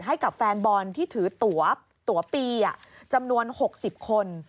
ให้กับแฟนบอลที่ถือตัวปีจำนวน๖๐คน